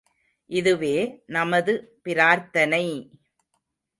இதுவே நமது பிரார்த்தனை!